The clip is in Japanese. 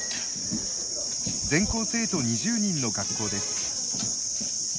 全校生徒２０人の学校です。